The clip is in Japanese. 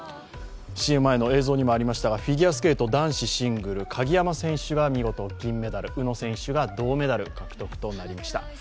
ＣＭ前の映像にもありましたがフィギュアスケート男子シングル、鍵山選手が見事銀メダル、宇野選手が銅メダル獲得となりました。